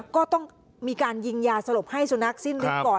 ก็ต้องมีการยิงยาสลบให้สุนัขสิ้นฤทธิก่อน